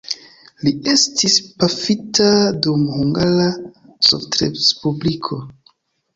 Li estis pafita dum Hungara Sovetrespubliko.